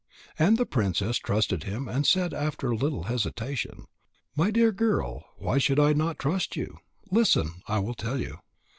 And the princess trusted him and said after a little hesitation: "My dear girl, why should I not trust you? Listen. I will tell you.